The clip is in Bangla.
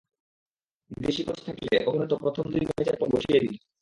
বিদেশি কোচ থাকলে ওকে হয়তো প্রথম দুই ম্যাচের পরই বসিয়ে দিত।